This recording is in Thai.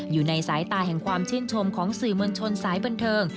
อยู่ในสายตาแห่งความชื่นชมของสื่อมวลชนสายบันเทิง